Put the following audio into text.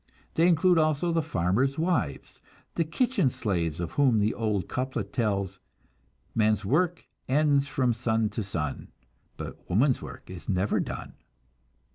They include also the farmers' wives, the kitchen slaves of whom the old couplet tells: "Man's work ends from sun to sun, But woman's work is never done."